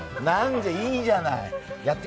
なんで、いいじゃない。